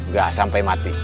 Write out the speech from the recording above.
gak sampai mati